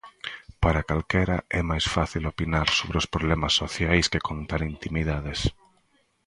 Para calquera é máis fácil opinar sobre os problemas sociais que contar intimidades.